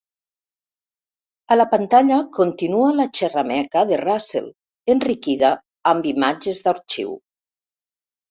A la pantalla continua la xerrameca de Russell, enriquida amb imatges d'arxiu.